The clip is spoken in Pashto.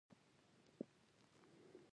د ژوند بريا په عقل کي ده، نه په نقل کي.